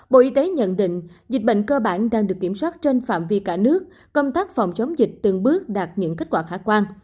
bộ y tế nhận định dịch bệnh cơ bản đang được kiểm soát trên phạm vi cả nước công tác phòng chống dịch từng bước đạt những kết quả khả quan